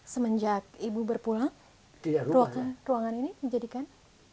semenjak ibu berpulang ruangan ini menjadikan